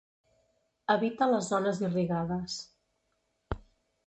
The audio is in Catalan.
Evita les zones irrigades.